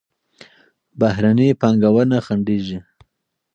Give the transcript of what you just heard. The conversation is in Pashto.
بهرني پانګونه خنډېږي.